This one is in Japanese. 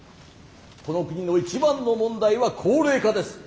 この国の一番の問題は高齢化です。